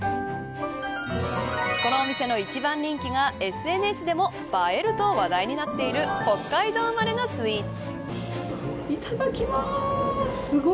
この店の一番人気がＳＮＳでも映えると話題になっている北海道生まれのスイーツ。